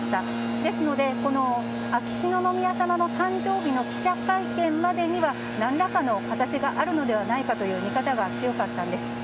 ですので、この秋篠宮さまの誕生日の記者会見までには、なんらかの形があるのではないかとの見方が強かったんです。